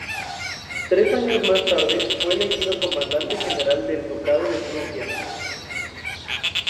Tres años más tarde fue elegido comandante general del ducado de Prusia.